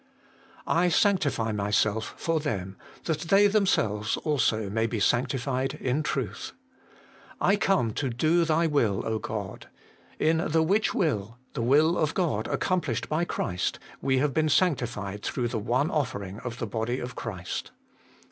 ' I sanctify myself for them, that they themselves also may be sanctified in truth.' ' I come to do Thy will, God. In the which will,' the wiU of God accomplished by Christ, ' we have been sancti fied through the one offering of the body of Christ.'